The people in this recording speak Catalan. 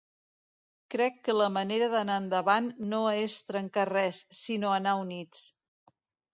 Crec que la manera d’anar endavant no és trencar res, sinó anar units.